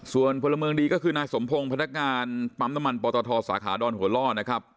ส่วนพลเมืองดีก็คือนายสมพงศ์พนักงานปั๊มน้ำมันปตทสาขาดอนหัวล่อนะครับ